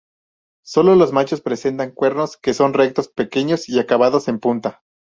Solo los machos presentan cuernos, que son rectos, pequeños y acabados en punta.